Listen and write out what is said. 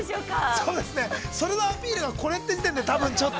◆そうですね、それのアピールがこれって時点で、たぶんちょっと。